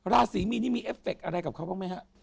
ราศีมีนนี่มีเอฟเฟคอะไรกับเขาบ้างไหมฮะ